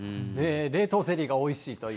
冷凍ゼリーがおいしいという。